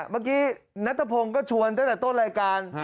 เมื่อกี้นัทพงศ์ก็ชวนตั้งแต่ต้นรายการ